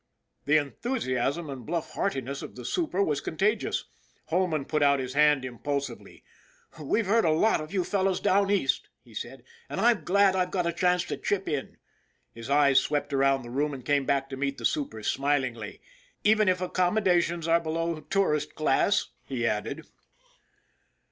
The enthusiasm and bluff heartiness of the super was contagious. Holman put out his hand impul sively. " We've heard a lot of you fellows down East," he said, "and I'm glad 'I've got a chance to chip in." His eyes swept around the room and came back to meet the super's smilingly. " Even if accom modations are below ' Tourist Class/ " he added.